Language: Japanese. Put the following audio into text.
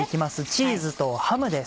チーズとハムです。